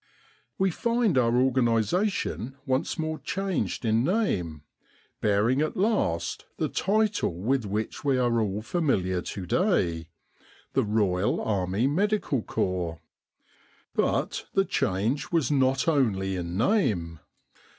We find our 10 Retrospect organisation once more changed in name, bearing at last the title with which we are all familiar to day the Royal Army Medical Corps. But the change was not only in name.